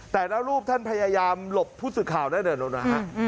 แต่ละรูปท่านพยายามหลบผู้สื่อข่าวนะเดี๋ยวนะฮะ